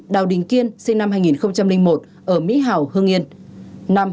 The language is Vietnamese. bốn đào đình kiên sinh năm hai nghìn một ở mỹ hào hương yên